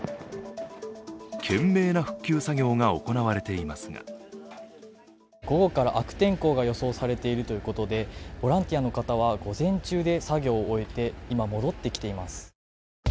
懸命な復旧作業が行われていますが午後から悪天候が予想されているということでボランティアの方は午前中で作業を終えて今、戻ってきています。